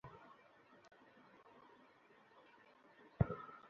সেতুর দুই পাশে মাটি ফেলে স্থানীয় লোকজনের চলাচলের ব্যবস্থা করা হয়।